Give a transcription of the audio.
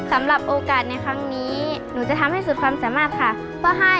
สำหรับโอกาสในครั้งนี้หนูจะทำให้สุดความสามารถค่ะเพื่อให้